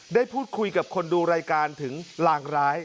ได้พูดคุยกับคนดูรายการถึงลางร้าย